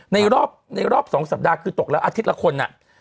ในรอบ๒สัปดาห์คือตกละอาทิตย์ละคน